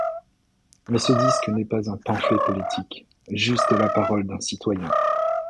Mais ce disque n'est pas un pamphlet politique, juste la parole d'un citoyen.